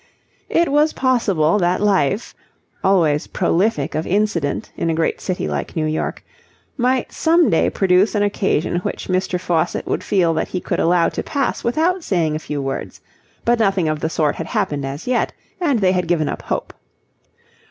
It was possible that life, always prolific of incident in a great city like New York, might some day produce an occasion which Mr. Faucitt would feel that he could allow to pass without saying a few words; but nothing of the sort had happened as yet, and they had given up hope.